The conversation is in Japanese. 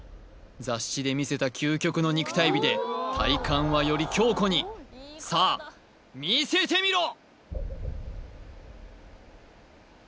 雑誌で見せた究極の肉体美で体幹はより強固にさあ見せてみろ！